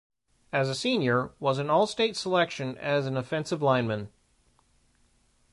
As a senior, was an all-state selection as an offensive lineman.